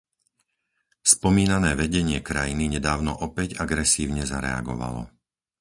Spomínané vedenie krajiny nedávno opäť agresívne zareagovalo.